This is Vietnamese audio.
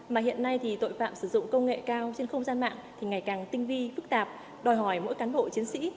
mà hiện nay thì tội phạm sử dụng công nghệ cao trên không gian mạng thì ngày càng tinh vi phức tạp đòi hỏi mỗi cán bộ chiến sĩ